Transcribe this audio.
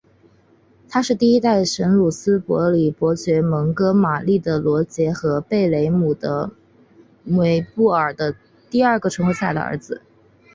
他是第一代什鲁斯伯里伯爵蒙哥马利的罗杰和贝莱姆的梅布尔第二个存活下来的儿子。